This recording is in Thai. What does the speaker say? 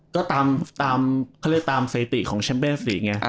ก็ตามเค้าเรียกตามสถิติของเชมเปสลีกัน